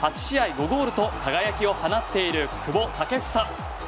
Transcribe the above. ５ゴールと輝きを放っている久保建英。